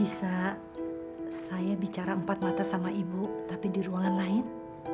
bisa saya bicara empat mata sama ibu tapi di ruangan lain